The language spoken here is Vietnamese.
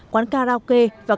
quán karaoke và các địa điểm